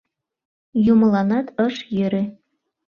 Юмыланат ыш йӧрӧ.